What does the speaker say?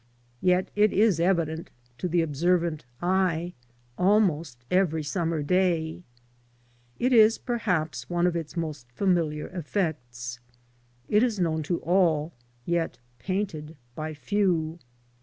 Vet it is evident, to the observant eye, almost every summer day; it is, perhaps, one of its most familiar effects. It is known to all, yet painted by few.